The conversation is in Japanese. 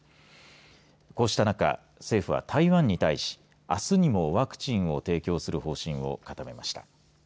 こうした中、政府は台湾に対しあすにもワクチンを提供する方針を固めました。